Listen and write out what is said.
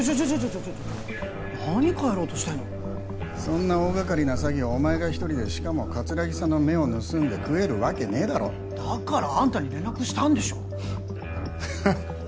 ちょちょ何帰ろうとしてんのそんな大がかりな詐欺をお前が一人でしかも桂木さんの目を盗んで喰えるわけねえだろだからあんたに連絡したんでしょハッ